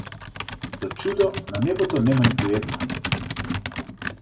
За чудо, на небото нема ниту една.